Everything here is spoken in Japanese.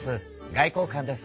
外交官です。